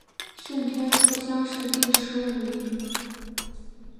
顺天府乡试第十五名。